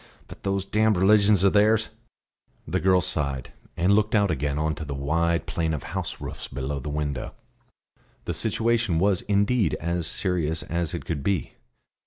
But those damned religions of theirs " The girl sighed, and looked out again on to the wide plain of house roofs below the window. The situation was indeed as serious as it could be.